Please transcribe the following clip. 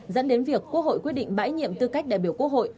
dẫn đến việc quốc hội quyết định bãi nhiệm tư cách đại biểu quốc hội